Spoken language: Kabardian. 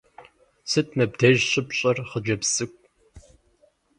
Сыт м ыбдеж щыпщӀэр, хъыджэбз цӀыкӀу?